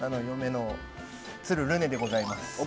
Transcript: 嫁の鶴ルネでございます。